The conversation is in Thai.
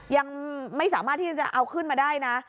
ยังไม่สามารถที่จะเอาขึ้นมาได้นะ